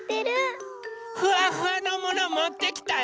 フワフワのものもってきたよ！